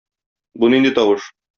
Бу нинди тавыш?